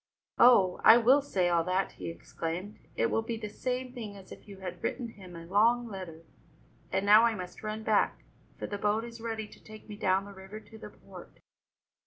"Oh, I will say all that!" he exclaimed. "It will be the same thing as if you had written him a long letter. And now I must run back, for the boat is ready to take me down the river to the port."